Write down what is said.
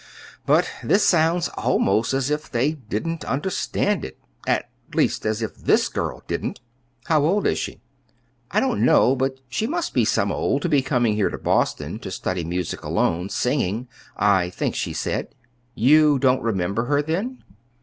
But this sounds almost as if they didn't understand it at least, as if this girl didn't." "How old is she?" "I don't know; but she must be some old, to be coming here to Boston to study music, alone singing, I think she said." "You don't remember her, then?"